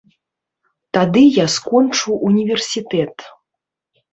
Тады я скончу універсітэт.